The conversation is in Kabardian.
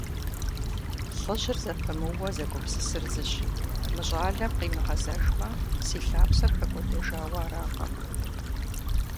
ЛӀыжьыр зэпымыууэ зэгупсысыр зыщ: «Мы щӀалэм къимыгъэзэжмэ, си лъапсэр хэкӀуэдэжауэ аракъэ?».